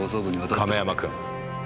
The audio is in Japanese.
亀山君。